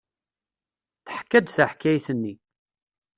Teḥka-d taḥkayt-nni.